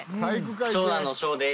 長男の翔です。